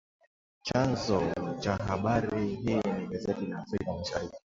Chanzo cha habari hii ni gazeti la Afrika Mashariki